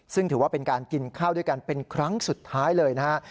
ซึ่งถือว่าเป็นการกินข้าวด้วยกันเป็นครั้งสุดท้ายเลยนะฮะ